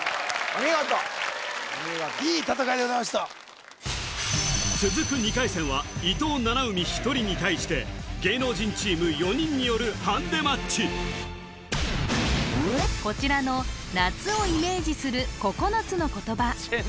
お見事いい戦いでございました続く２回戦は伊藤七海１人に対して芸能人チーム４人によるハンデマッチこちらの夏をイメージする９つの言葉